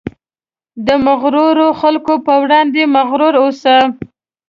د مغرورو خلکو په وړاندې مغرور اوسه.